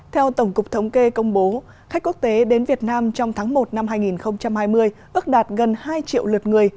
theo tổng cục thống kê công bố khách quốc tế đến việt nam trong tháng một năm hai nghìn hai mươi ước đạt gần hai triệu lượt người